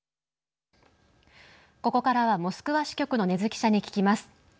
ここからは、モスクワ支局の禰津記者に聞きます。